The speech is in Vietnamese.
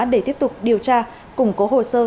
để tiếp tục điều tra củng cố hồ sơ